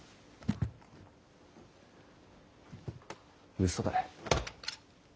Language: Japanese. うそだ。